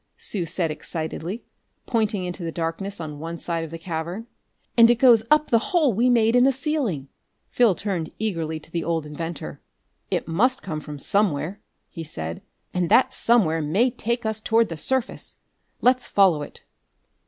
Sue said excitedly, pointing into the darkness on one side of the cavern. "And it goes up the hole we made in the ceiling!" Phil turned eagerly to the old inventor. "It must come from somewhere," he said, "and that somewhere may take us toward the surface. Let's follow it!"